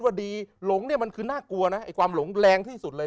ว่าดีหลงเนี่ยมันคือน่ากลัวนะไอ้ความหลงแรงที่สุดเลย